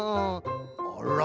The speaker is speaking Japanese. あら！